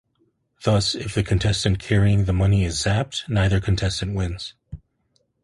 Thus, if the contestant carrying the money is 'zapped', neither contestant wins.